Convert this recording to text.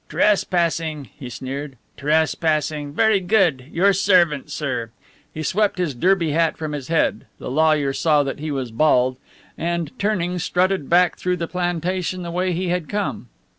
"Trespassing!" he sneered. "Trespassing! Very good your servant, sir!" He swept his derby hat from his head (the lawyer saw that he was bald), and turning, strutted back through the plantation the way he had come.